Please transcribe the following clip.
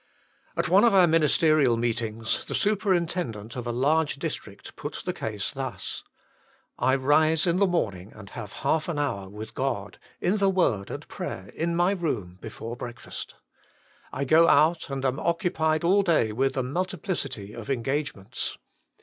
At one of our ministerial meetings, the superin tendent of a large district put the case thus :" I rise THE LACK OF PRAYER 13 in the morning and have half an hour with God, in the Word and prayer, in my room before breakfast. I go out, and am occupied all day with a multi plicity of engagements.